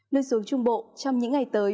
nơi xuống trung bộ trong những ngày tới